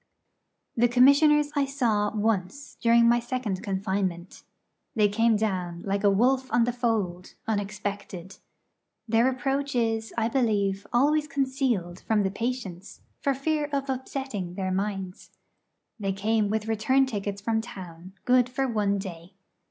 The Commissioners I saw once during my second confinement. They came down, like a wolf on the fold, unexpected. Their approach is, I believe, always concealed from the patients, for fear of upsetting their minds. They came with return tickets from town, good for one day.